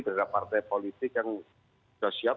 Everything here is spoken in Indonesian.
terhadap partai politik yang sudah siap